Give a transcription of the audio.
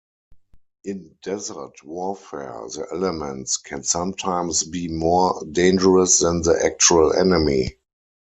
In desert warfare the elements can sometimes be more dangerous than the actual enemy.